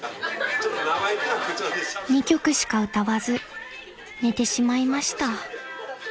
［２曲しか歌わず寝てしまいました］